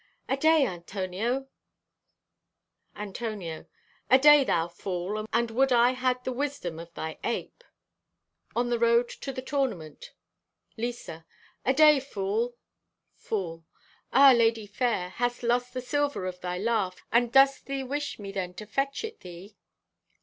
Aday, Antonio!" (Antonio) "Aday, thou fool, and would I had the wisdom of thy ape." (On the Road to the Tournament.) (Lisa) "Aday, fool!" (Fool) "Ah, lady fair, hath lost the silver of thy laugh, and dost thee wish me then to fetch it thee?"